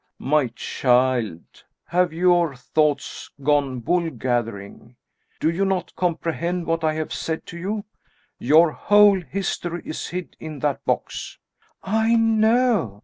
"My child, have your thoughts gone wool gathering? Do you not comprehend what I have said to you! Your whole history is hid in that box?" "I know!"